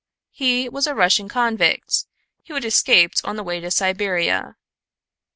He was a Russian convict, who had escaped on the way to Siberia.